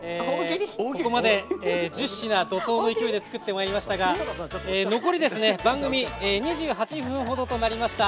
ここまで１０品、怒とうの勢いで作ってまいりましたが残り番組２８分ほどとなりました。